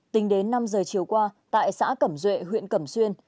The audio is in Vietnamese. tính đến năm giờ chiều qua tại xã cẩm duệ huyện cẩm xuyên